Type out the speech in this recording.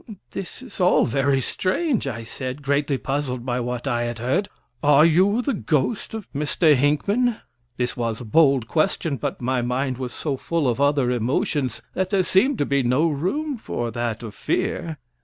"This is all very strange," I said, greatly puzzled by what I had heard. "Are you the ghost of Mr. Hinckman?" This was a bold question, but my mind was so full of other emotions that there seemed to be no room for that of fear.